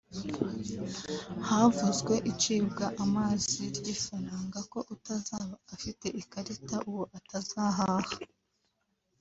Havuzwe icibwa amazi ry’ifaranga ko utazaba afite ikarita uwo atazahaha